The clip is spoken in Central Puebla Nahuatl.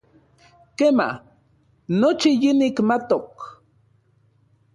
Kema, nochi yinikmatok.